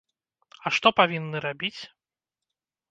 А што павінны рабіць?